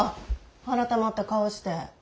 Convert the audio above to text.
改まった顔して。